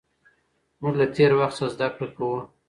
موږ له تېر وخت څخه زده کړه کوو.